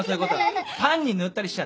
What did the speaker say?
パンに塗ったりしちゃ駄目。